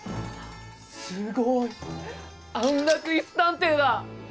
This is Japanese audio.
すごい安楽椅子探偵だ！